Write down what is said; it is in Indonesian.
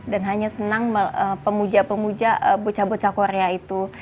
dan hanya senang pemuja pemuja bocah bocah korea itu